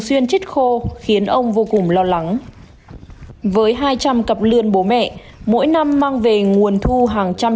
xuyên chết khô khiến ông vô cùng lo lắng với hai trăm linh cặp lươn bố mẹ mỗi năm mang về nguồn thu hàng trăm